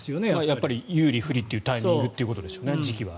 やっぱり有利、不利というタイミングということでしょうね時期は。